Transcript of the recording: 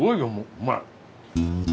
うまい。